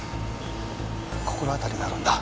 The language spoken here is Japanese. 心当たりがあるんだ。